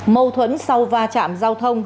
mâu thuẫn sau và chạm giao thông